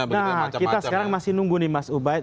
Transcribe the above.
nah kita sekarang masih nunggu nih mas ubaid